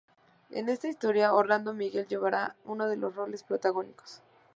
En esta historia, Orlando Moguel llevará uno de los roles protagónicos.